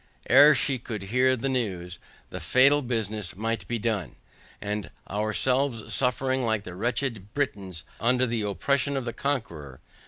Ere she could hear the news, the fatal business might be done; and ourselves suffering like the wretched Britons under the oppression of the Conqueror.